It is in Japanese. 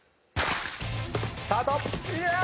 スタート！